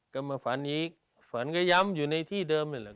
ก็มาฝันอีกฝันก็ย้ำอยู่ในที่เดิมเลยเหรอ